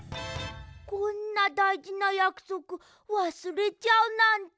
こんなだいじなやくそくわすれちゃうなんて。